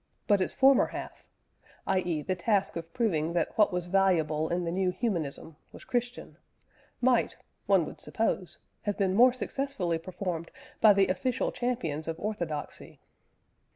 But its former half, i.e. the task of proving that what was valuable in the new Humanism, was Christian might, one would suppose, have been more successfully performed by the official champions of orthodoxy.